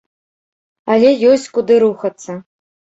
Але ёсць, куды рухацца.